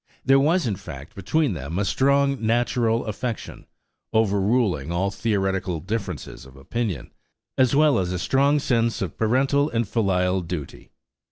There was, in fact, between them a strong natural affection, overruling all theoretical differences of opinion, as well as a strong sense of parental and filial duty.